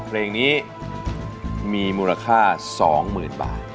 เพลงนี้มีมูลค่า๒๐๐๐บาท